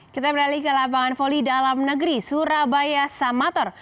kita beralih ke lapangan volley dalam negeri surabaya samator